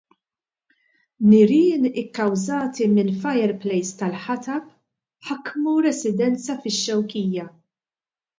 Nirien ikkawżati minn fireplace tal-ħatab ħakmu residenza fix-Xewkija.